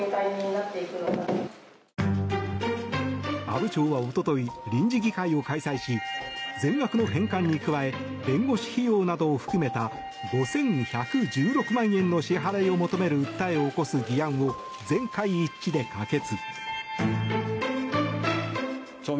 阿武町は一昨日臨時議会を開催し全額の返還に加え弁護士費用などを含めた５１１６万円の支払いを求める訴えを起こす議案を全会一致で可決。